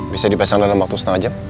bisa dipasang dalam waktu setengah jam